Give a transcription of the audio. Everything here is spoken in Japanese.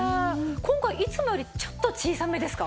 今回いつもよりちょっと小さめですか？